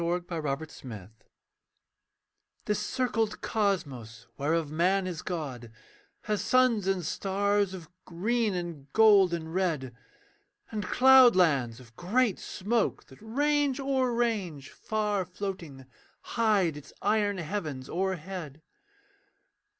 KING'S CROSS STATION This circled cosmos whereof man is god Has suns and stars of green and gold and red, And cloudlands of great smoke, that range o'er range Far floating, hide its iron heavens o'erhead.